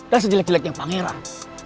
dan sejelek jeleknya pangeran